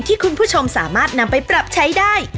ที่คุณผู้ชมสามารถนำไปปรับใช้ได้